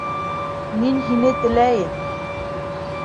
«Мин һине теләйем!»